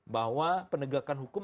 bahwa penegakan hukum